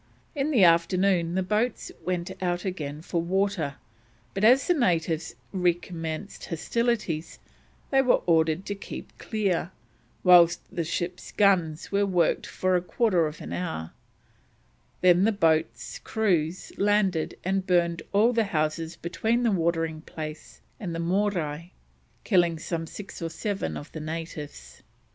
In the afternoon the boats went again for water, but as the natives recommenced hostilities they were ordered to keep clear, whilst the ships' guns were worked for a quarter of an hour; then the boats' crews landed and burned all the houses between the watering place and the Morai, killing some six or seven of the natives.